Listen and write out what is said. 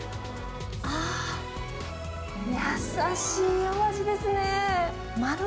あー、優しいお味ですねー。